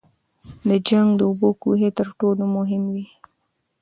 د جنګ د اوبو کوهي تر ټولو مهم وو.